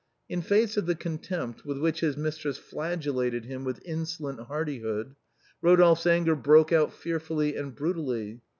In face of the con tempt with which his mistress flagellated him with insolent hardihood, Rodolphe's anger broke out fearfully and bru tally.